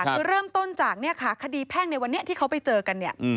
คือเริ่มต้นจากเนี่ยค่ะคดีแพ่งในวันนี้ที่เขาไปเจอกันเนี่ย